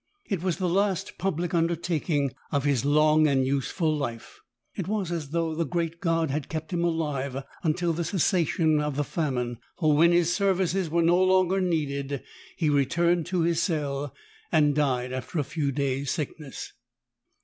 It was the last public un dertaking of his long and useful life. It was as though the good God had kept him alive until the cessation of the famine, for when his services were no longer needed he re turned to his cell and died after a few days' sickness.